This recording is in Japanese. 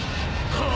はあ！？